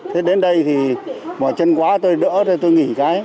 thế đến đây thì bỏ chân quá tôi đỡ rồi tôi nghỉ cái